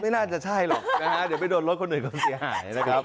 น่าจะใช่หรอกนะฮะเดี๋ยวไปโดนรถคนอื่นเขาเสียหายนะครับ